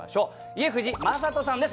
家藤正人さんです